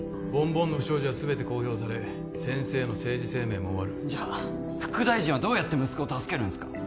ボンボンの不祥事は全て公表され先生の政治生命も終わるじゃあ副大臣はどうやって息子を助けるんすか？